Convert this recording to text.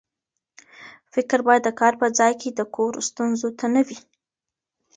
فکر باید د کار په ځای کې د کور ستونزو ته نه وي.